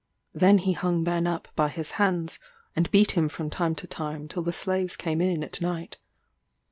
He then hung Ben up by his hands, and beat him from time to time till the slaves came in at night.